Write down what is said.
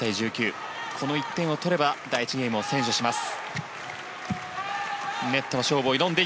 この１点を取れば第１ゲームを先取します。